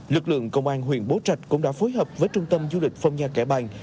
lực lượng công an huyện bố trạch cũng đã phối hợp với trung tâm du lịch phong nha kẻ bàng